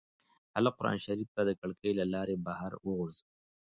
هلک قرانشریف د کړکۍ له لارې بهر وغورځاوه.